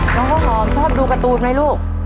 น้องข้าวหอมชอบดูการ์ตูนไหมลูก